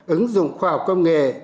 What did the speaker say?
ứng dụng khoa học công nghệ